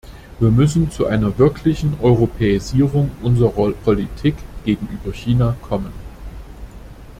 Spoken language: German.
Wir müssen zu einer wirklichen Europäisierung unserer Politik gegenüber China kommen.